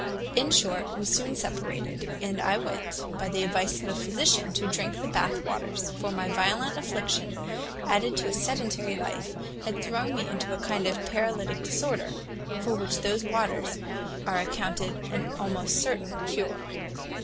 "In short, we soon separated, and I went, by the advice of a physician, to drink the Bath waters; for my violent affliction, added to a sedentary life, had thrown me into a kind of paralytic disorder, for which those waters are accounted an almost certain cure.